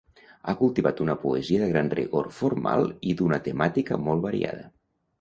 Ha cultivat una poesia de gran rigor formal i d’una temàtica molt variada.